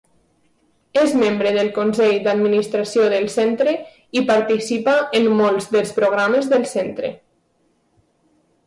És membre del Consell d'Administració del Centre i participa en molts dels programes del centre.